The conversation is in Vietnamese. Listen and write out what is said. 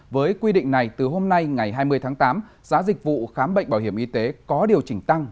với quy định này từ hôm nay ngày hai mươi tháng tám giá dịch vụ khám bệnh bảo hiểm y tế có điều chỉnh tăng